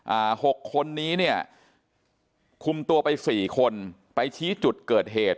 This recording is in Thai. หกคนนี้เนี่ยคุมตัวไปสี่คนไปชี้จุดเกิดเหตุ